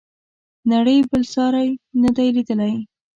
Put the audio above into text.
نړۍ بل ساری نه دی لیدلی.